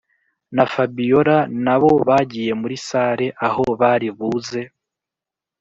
na fabiora nabo bagiye muri salle aho bari buze